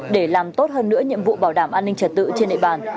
để làm tốt hơn nữa nhiệm vụ bảo đảm an ninh trật tự trên địa bàn